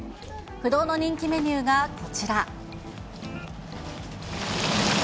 不動の人気メニューが、こちら。